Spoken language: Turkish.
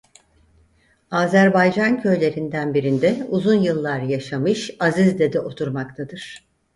Azerbaycan köylerinden birinde uzun yıllar yaşamış Aziz Dede oturmaktadır.